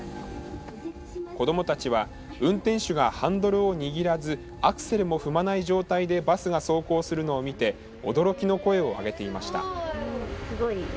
子どもたちは運転手がハンドルを握らずアクセルも踏まない状態でバスが走行するのを見て驚きの声を上げていました。